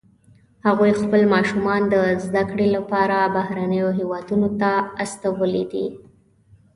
هغوی خپل ماشومان د زده کړې لپاره بهرنیو هیوادونو ته استولي دي